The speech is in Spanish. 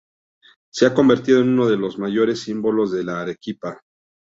Se ha convertido en uno de los mayores símbolos de Arequipa.